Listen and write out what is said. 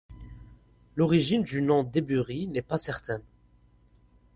L’origine du nom d’Eyburie n’est pas certaine.